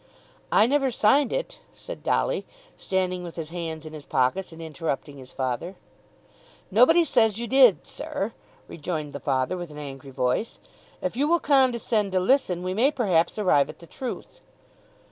"I never signed it," said Dolly, standing with his hands in his pockets and interrupting his father. "Nobody says you did, sir," rejoined the father with an angry voice. "If you will condescend to listen we may perhaps arrive at the truth."